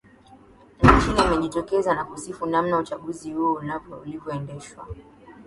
ni china imejitokeza na kusifu namna uchaguzi huo ulivyoendeshwa